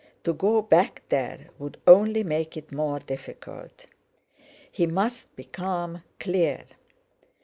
To go back there would only make it more difficult. He must be calm, clear.